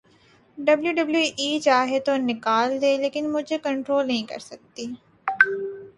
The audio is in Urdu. ڈبلیو ڈبلیو ای چاہے تو نکال دے لیکن مجھے کنٹرول نہیں کر سکتی